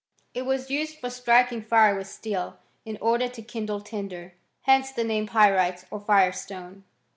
It was used for striking fire with steel, in order to kindle tinder. Hence the name pyrites or Jirestone.